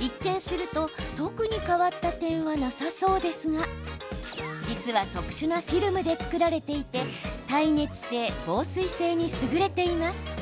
一見すると、特に変わった点はなさそうですが実は、特殊なフィルムで作られていて耐熱性、防水性に優れています。